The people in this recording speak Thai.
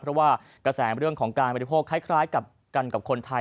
เพราะว่ากระแสเรื่องของการบริโภคคล้ายกับกันกับคนไทย